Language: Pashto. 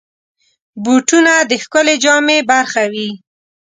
بوټونه د ښکلې جامې برخه وي.